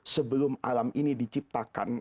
sebelum alam ini diciptakan